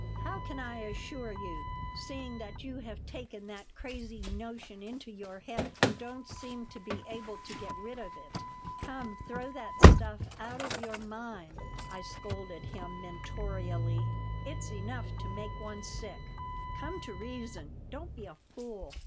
"How can I assure you, seeing that you have taken that crazy notion into your head and don't seem to be able to get rid of it? Come, throw that stuff out of your mind!" I scolded him, mentorially. "It's enough to make one sick. Come to reason. Don't be a fool.